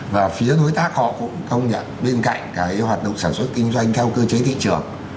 và phía đối tác họ cũng công nhận bên cạnh cái hoạt động sản xuất kinh doanh theo cơ chế thị trường